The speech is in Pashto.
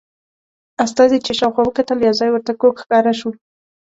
استازي چې شاوخوا وکتل یو ځای ورته کوږ ښکاره شو.